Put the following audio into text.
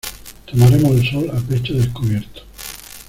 tomaremos el sol a pecho descubierto.